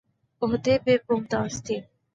عہدہ پر ممتاز تھے